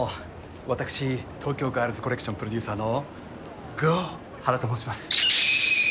私東京ガールズコレクションプロデューサーの郷原と申します。